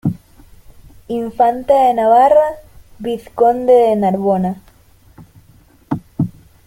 Infante de Navarra, Vizconde de Narbona.